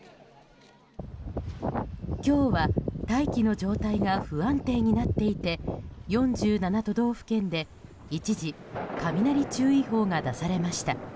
今日は大気の状態が不安定になっていて４７都道府県で一時、雷注意報が出されました。